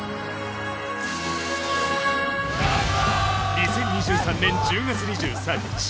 ２０２３年１０月２３日